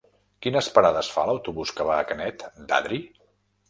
Quines parades fa l'autobús que va a Canet d'Adri?